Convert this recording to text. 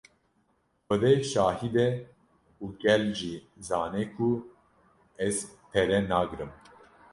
Xwedê şahîd e û gel jî zane ku ez pere nagrim.